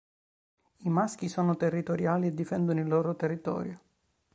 I maschi sono territoriali e difendono il loro territorio.